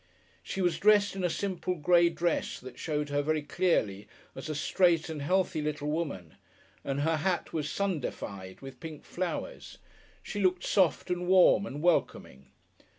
She was dressed in a simple grey dress that showed her very clearly as a straight and healthy little woman, and her hat was Sundayfied with pink flowers. She looked soft and warm and welcoming.